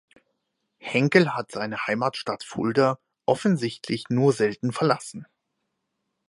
Henkel hat seine Heimatstadt Fulda offensichtlich nur selten verlassen.